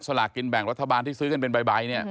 ลากินแบ่งรัฐบาลที่ซื้อกันเป็นใบ